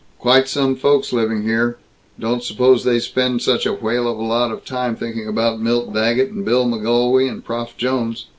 "Quite some folks living here. Don't suppose they spend such a whale of a lot of time thinking about Milt Daggett and Bill McGolwey and Prof Jones.